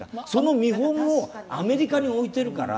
見本をアメリカに置いているから。